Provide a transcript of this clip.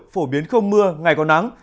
phổ biến không mưa ngày có nắng